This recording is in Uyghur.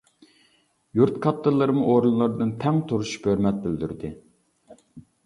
يۇرت كاتتىلىرىمۇ ئورۇنلىرىدىن تەڭ تۇرۇشۇپ ھۆرمەت بىلدۈردى.